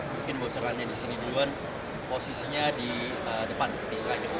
mungkin bocorannya di sini duluan posisinya di depan di striker